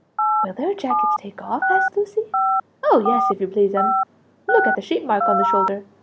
"Will their jackets take off?" asked Lucie. "Oh yes, if you please'm; look at the sheep mark on the shoulder.